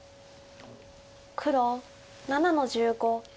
黒７の十五。